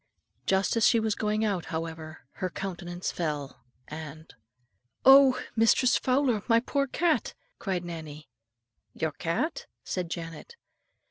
Just as she was going out, however, her countenance fell, and, "Oh! Mistress Fowler, my poor cat," cried Nannie. "Your cat?" said Janet.